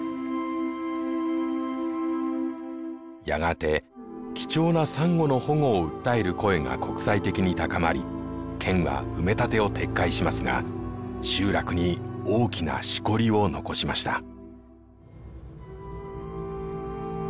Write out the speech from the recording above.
やがて貴重なサンゴの保護を訴える声が国際的に高まり県は埋め立てを撤回しますが集落に大きなしこりを残しました。